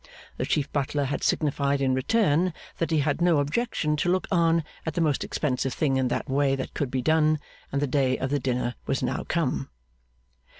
The Chief Butler had signified, in return, that he had no objection to look on at the most expensive thing in that way that could be done; and the day of the dinner was now come.